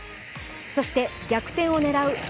そして逆転を狙う